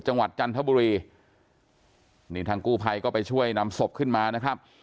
จันทบุรีนี่ทางกู้ภัยก็ไปช่วยนำศพขึ้นมานะครับ